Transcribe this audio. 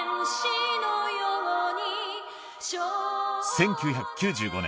１９９５年